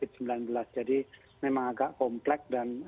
ya tadi kalau kita dengar pak aksanul sepertinya persoalannya tidak sekejap